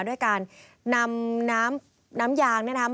ด้วยการนำน้ำยางนะครับ